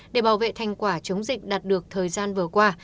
để bảo vệ thành quả chống dịch đạt được thời gian vừa qua